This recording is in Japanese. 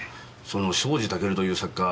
その庄司タケルという作家